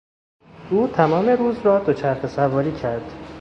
او تمام روز را دوچرخه سواری کرد.